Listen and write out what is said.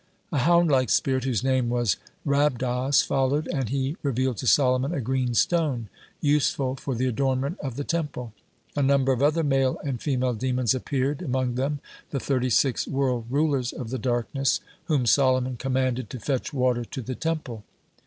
A hound like spirit, whose name was Rabdos, followed, and he revealed to Solomon a green stone, useful for the adornment of the Temple. A number of other male and female demons appeared, among them the thirty six world rulers of the darkness, whom Solomon commanded to fetch water to the Temple.